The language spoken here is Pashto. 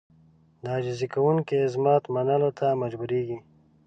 د عاجزي کوونکي عظمت منلو ته مجبورېږي.